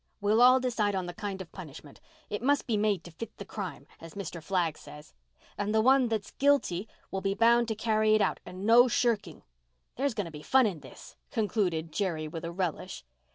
We'll all decide on the kind of punishment—it must be made to fit the crime, as Mr. Flagg says. And the one that's, guilty will be bound to carry it out and no shirking. There's going to be fun in this," concluded Jerry, with a relish.